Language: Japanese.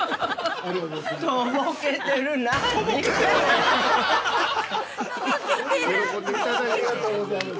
◆ありがとうございます。